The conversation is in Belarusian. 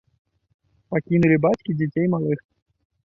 Пакінулі бацькі дзяцей малых.